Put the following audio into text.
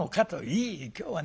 いいえ今日はね